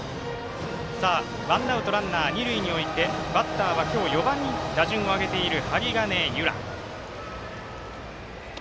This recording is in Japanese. ワンアウトランナー、二塁に置いてバッターは４番に打順を上げている針金侑良。